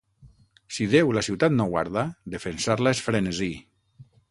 Si Déu la ciutat no guarda, defensar-la és frenesí.